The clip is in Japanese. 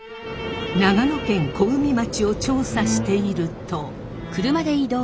長野県小海町を調査していると。